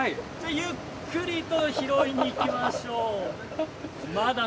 ゆっくりと拾いにいきましょう。